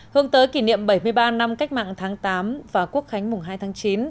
hướng tới kỷ niệm bảy mươi ba năm cách mạng tháng tám và quốc khánh mùng hai tháng chín